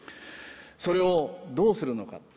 それをどうするのか。